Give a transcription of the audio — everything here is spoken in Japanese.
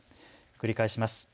繰り返します。